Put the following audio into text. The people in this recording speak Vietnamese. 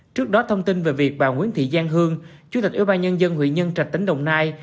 trước đó thông tin về việc bà nguyễn thị giang hương chủ tịch ủy ban nhân dân huy nhân trạch tỉnh đồng nai